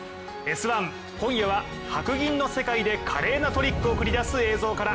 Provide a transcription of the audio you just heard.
「Ｓ☆１」、今夜は白銀の世界で華麗なトリックを繰り出す映像から。